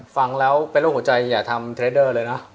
ฟังแล้วเป็นร่วงหัวใจอย่าทำเทรดเลยนะ